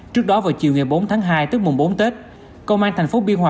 trước đó vào chiều ngày bốn tháng hai tức mùng bốn tết công an thành phố biên hòa